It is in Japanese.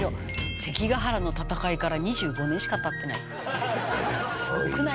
「関ヶ原の戦いから２５年しか経ってない」「すごくない？」